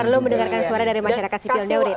perlu mendengarkan suara dari masyarakat sipil